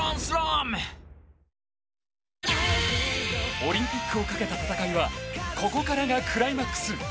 オリンピックをかけた戦いはここからがクライマックス。